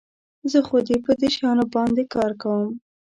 زه خو په دې شیانو باندي کار کوم.